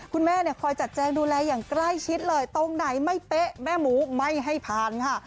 คุณแม่เนี่ยคอยจัดแจงดูแลอย่างใกล้ชิดเลยตรงไหนไม่เป๊ะแม่หมูไม่ให้ผ่านค่ะ